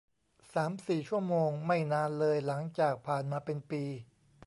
สามสี่ชั่วโมงไม่นานเลยหลังจากผ่านมาเป็นปี